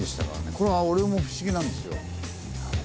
これは俺も不思議なんですよ。